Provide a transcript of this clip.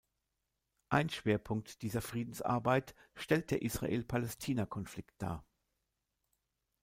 Ein Schwerpunkt dieser Friedensarbeit stellt der Israel-Palästina-Konflikt dar.